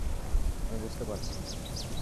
আমি বুঝতে পারছি!